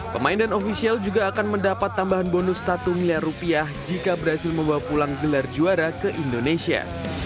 pemain dan ofisial juga akan mendapat tambahan bonus satu miliar rupiah jika berhasil membawa pulang gelar juara ke indonesia